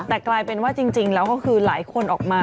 แต่กลายเป็นว่าจริงแล้วก็คือหลายคนออกมา